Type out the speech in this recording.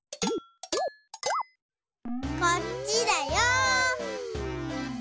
こっちだよ！